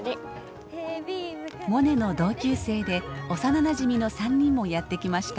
モネの同級生で幼なじみの３人もやって来ました。